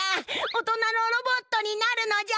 大人のロボットになるのじゃ！